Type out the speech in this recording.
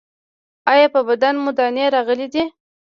ایا په بدن مو دانې راغلي دي؟